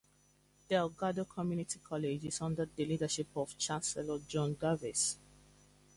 Delgado Community College is under the leadership of Chancellor Joan Davis.